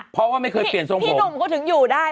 เพราะว่าไม่เคยเปลี่ยนทรงพี่หนุ่มก็ถึงอยู่ได้